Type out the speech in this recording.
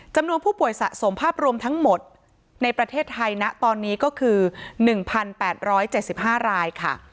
จำนวนผู้ป่วยสะสมภาพรวมทั้งหมดในประเทศไทยนะตอนนี้ก็คือ๑๘๗๕รายค่ะ